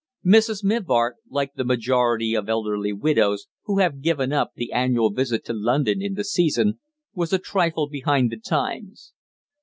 Mrs. Mivart, like the majority of elderly widows who have given up the annual visit to London in the season, was a trifle behind the times.